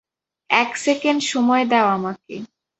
এক সেকেন্ড সময় দেও আমাকে।